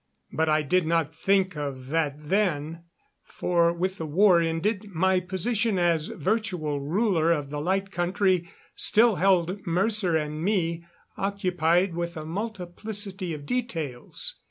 But I did not think of that then, for with the war ended, my position as virtual ruler of the Light Country still held Mercer and me occupied with a multiplicity of details.